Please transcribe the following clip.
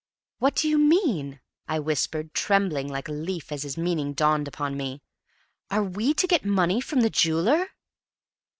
"What do you mean?" I whispered, trembling like a leaf as his meaning dawned upon me. "Are we to get the money from the jeweller?"